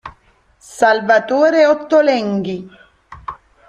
Salvatore Ottolenghi